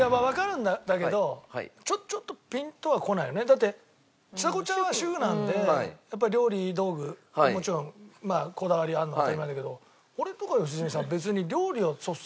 だってちさ子ちゃんは主婦なんでやっぱり料理道具もちろんこだわりあるのは当たり前だけど俺とか良純さん別に料理を率先してやるタイプじゃないし。